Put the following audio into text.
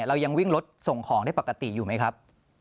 เรายังวิ่งรถส่งของได้ปกติอยู่ไหมครับ